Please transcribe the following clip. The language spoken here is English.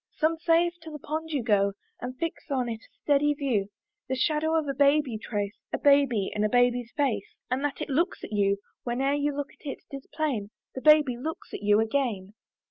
Some say, if to the pond you go, And fix on it a steady view, The shadow of a babe you trace, A baby and a baby's face, And that it looks at you; Whene'er you look on it, 'tis plain The baby looks at you again.